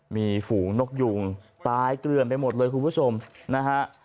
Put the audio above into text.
มีฝูงนกยุงตายเกลือนไปหมดเลยคุณผู้ชมนะฮะ